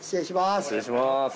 失礼します。